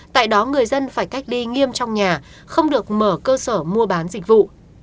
tại đó người dân phải cách ly nghiêm trong nhà không được mở cơ sở mua bán dịch vụ